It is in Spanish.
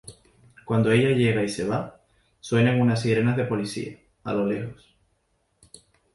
Cuando ella llega y se va, suenan unas sirenas de policía, a lo lejos.